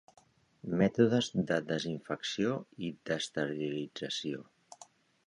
Mètodes de desinfecció i d'esterilització.